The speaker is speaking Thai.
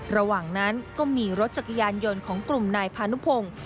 ระหว่างนั้นก็มีรถจักรยานยนต์ของกลุ่มนายพานุพงศ์